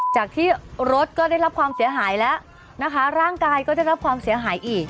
จากที่รถก็ได้รับความเสียหายแล้วนะคะร่างกายก็ได้รับความเสียหายอีก